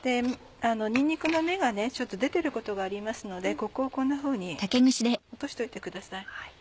にんにくの芽が出てることがありますのでここをこんなふうに落としといてください。